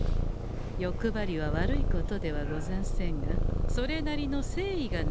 欲張りは悪いことではござんせんがそれなりの誠意がなくては。